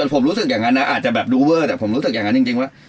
ผมรู้สึกอย่างนั้นนะอาจจะแบบดูเวอร์แต่ผมรู้สึกอย่างนั้นจริงว่า